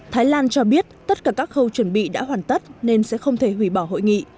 thái lan cho biết tất cả các khâu chuẩn bị đã hoàn tất nên sẽ không thể hủy bỏ hội nghị